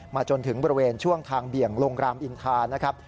จนถึงบริเวณช่วงทางเบี่ยงลงรามอินทานะครับ